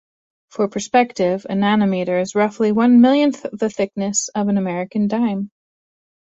For perspective, a nanometer is roughly one-millionth the thickness of an American dime.